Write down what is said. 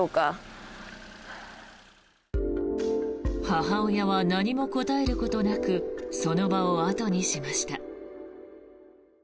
母親は何も答えることなくその場を後にしました。